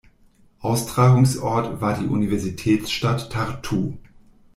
Austragungsort war die Universitätsstadt Tartu.